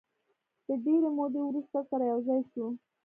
د ډېرې مودې وروسته سره یو ځای شوو.